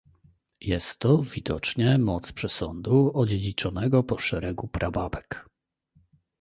"Jest to, widocznie, moc przesądu, odziedziczonego po szeregu prababek."